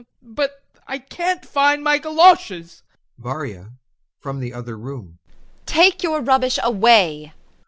But I can't find my goloshes! VARYA. [From the other room] Take your rubbish away!